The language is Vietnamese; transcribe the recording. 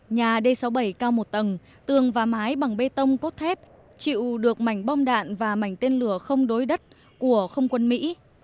nhà d sáu mươi bảy cao một tầng tường và mái bằng bê tông cốt thép chịu được mảnh bom đạn và mảnh tên lửa không đối đất của không quân mỹ